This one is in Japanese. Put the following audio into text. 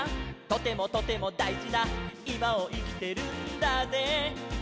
「とてもとてもだいじないまをいきてるんだぜ」